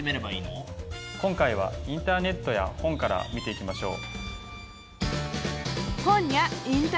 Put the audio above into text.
今回はインターネットや本から見ていきましょう。